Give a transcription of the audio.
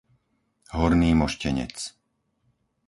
Horný Moštenec